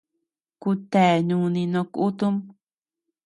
Kutea nuni no kutum.